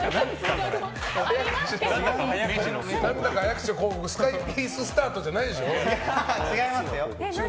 なんだか早口の広告スカイピーススタートじゃないでしょ。